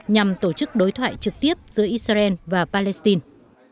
nhằm tổ chức đối thoại trực tiếp giữa israel và palestine